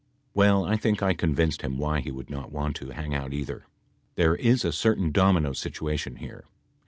Well, I think I convinced him why he would not want to hang out either. There is a certain domino situation here.